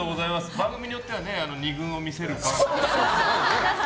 番組によっては２軍を見せる。